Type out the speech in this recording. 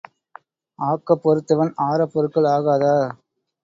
ஆக்கப் பொறுத்தவன் ஆறப் பொறுக்கல் ஆகாதா?